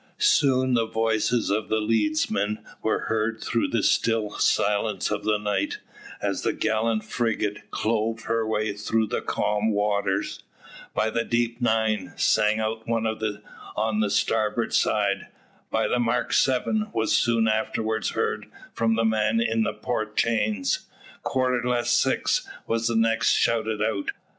Soon the voices of the leadsmen were heard through the still silence of night, as the gallant frigate clove her way through the calm waters. "By the deep nine," sang out one on the starboard side. "By the mark seven," was soon afterwards heard from the man in the port chains. "Quarter less six," was the next shouted out.